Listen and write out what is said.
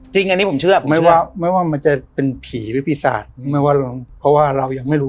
จริงอันนี้ผมเชื่อไม่ว่าไม่ว่ามันจะเป็นผีหรือปีศาจไม่ว่าเพราะว่าเรายังไม่รู้